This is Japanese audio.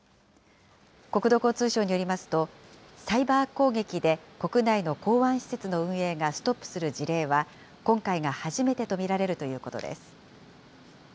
国土交通省によりますと、サイバー攻撃で国内の港湾施設の運営がストップする事例は、今回が初めてと見られるということです。